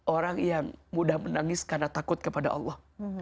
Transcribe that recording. orang yang mudah menangis karena takut kepada allah